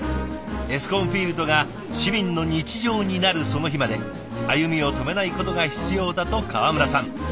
エスコンフィールドが市民の日常になるその日まで歩みを止めないことが必要だと川村さん。